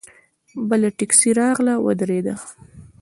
بله ټیکسي راغله ودرېده.